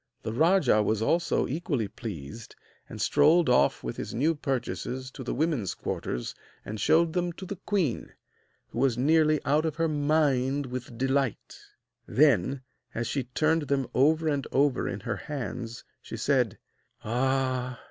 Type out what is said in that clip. The rajah was also equally pleased, and strolled off with his new purchases to the women's quarters and showed them to the queen, who was nearly out of her mind with delight. Then, as she turned them over and over in her hands, she said: 'Ah!